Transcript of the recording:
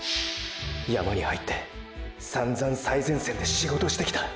山に入ってさんざん最前線で仕事してきた。